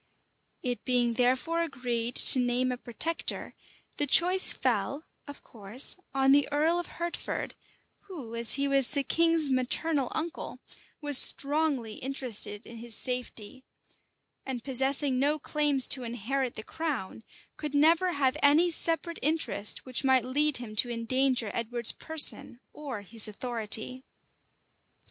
It being therefore agreed to name a protector, the choice fell, of course, on the earl of Hertford, who, as he was the king's maternal uncle, was strongly interested in his safety; and possessing no claims to inherit the crown, could never have any separate interest which might lead him to endanger Edward's person or his authority.